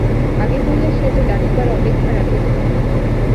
আগে হইলে সে তো ডাকিবার অপেক্ষা রাখিত না।